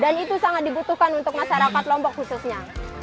dan itu sangat dibutuhkan untuk masyarakat lombok khususnya